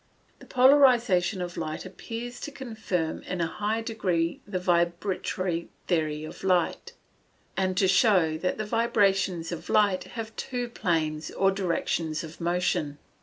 _ The polarization of light appears to confirm in a high degree the vibratory theory of light; and to show that the vibrations of light have two planes or directions of motion.